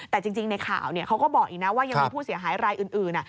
แต่จริงในข่าวเขาก็บอกอีกนะว่ายังมีผู้เสียหายรายอื่น